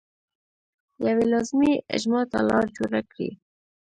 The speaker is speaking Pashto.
یوې لازمي اجماع ته لار جوړه کړي.